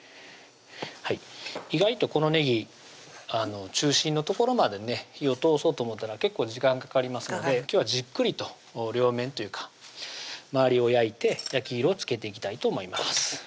意外とこのねぎ中心の所までね火を通そうと思ったら結構時間かかりますので今日はじっくりと両面というか周りを焼いて焼き色をつけていきたいと思います